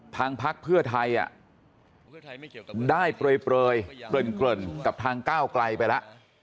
พักเพื่อไทยได้เปลยเกริ่นกับทางก้าวไกลไปแล้ว